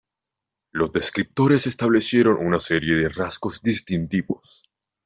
Los descriptores establecieron una serie de rasgos distintivos.